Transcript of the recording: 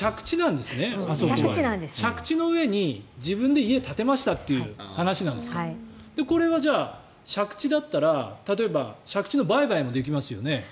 借地の上に自分で家を建てましたという話なんですがこれはじゃあ、借地だったら例えば借地の売買もできますよね。